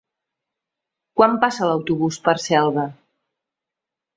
Quan passa l'autobús per Selva?